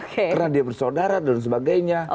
karena dia bersaudara dan sebagainya